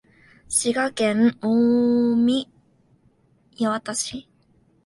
滋賀県近江八幡市